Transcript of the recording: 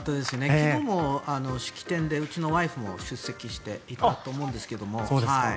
昨日も式典でうちのワイフも出席していたと思うんですが。